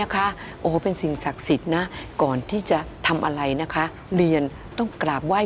กรูผู้สืบสารล้านนารุ่นแรกแรกรุ่นเลยนะครับผม